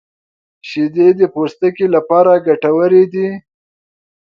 • شیدې د پوستکي لپاره ګټورې دي.